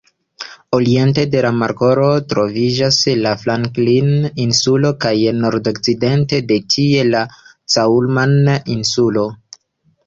Oriente de la markolo troviĝas la Franklin-Insulo kaj nordokcidente de tie la Coulman-Insulo.